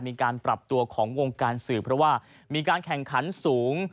มีการปรับตัวของวงการสื่อเพราะว่ามีการแข่งขันสูง